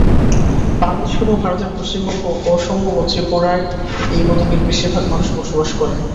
বাংলাদেশের এবং ভারতের পশ্চিমবঙ্গ, অসম ও ত্রিপুরায় এই পদবীর বেশিরভাগ মানুষ বসবাস করেন।